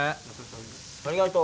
ありがとう。